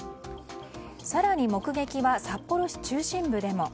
更に目撃は札幌市中心部でも。